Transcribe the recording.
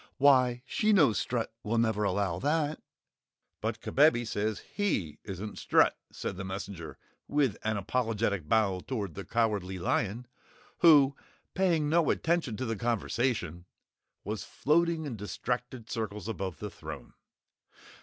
Why she knows Strut will never allow that." "But Kabebe says HE isn't Strut!" said the messenger with an apologetic bow toward the Cowardly Lion, who, paying no attention to the conversation, was floating in distracted circles above the throne.